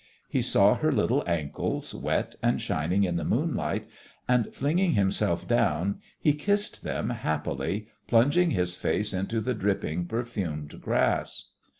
He saw her little ankles, wet and shining in the moonlight, and flinging himself down, he kissed them happily, plunging his face into the dripping, perfumed grass.